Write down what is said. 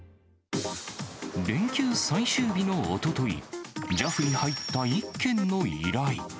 連休最終日のおととい、ＪＡＦに入った１件の依頼。